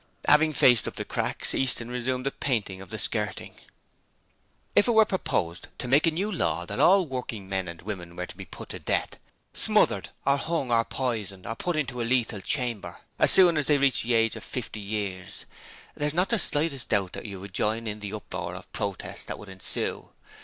Having faced up the cracks, Easton resumed the painting of the skirting. 'If it were proposed to make a law that all working men and women were to be put to death smothered, or hung, or poisoned, or put into a lethal chamber as soon as they reached the age of fifty years, there is not the slightest doubt that you would join in the uproar of protest that would ensue.